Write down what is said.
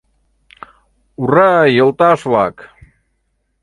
— Ура-а, йолташ-влак!